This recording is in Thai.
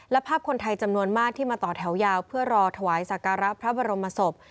และภาพคนไทยจำนวนมากที่มาต่อแถวยาวเพื่อรอถวายสักการะพระบรมศพ